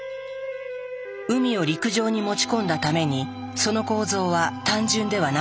海を陸上に持ち込んだためにその構造は単純ではなかった。